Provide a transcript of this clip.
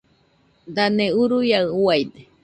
Dane uruaiaɨ uaide.